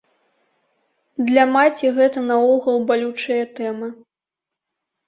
Для маці гэта наогул балючая тэма.